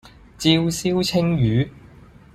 照燒鯖魚